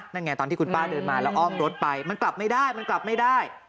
นั่นไงตอนที่คุณป้าเดินมาแล้วอ้อมรถไปมันกลับไม่ได้มันกลับไม่ได้